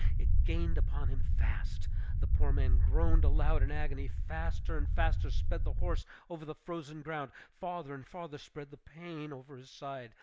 It gained upon him fast. The poor man groaned aloud in agony; faster and faster sped the horse over the frozen ground, farther and farther spread the pain over his side.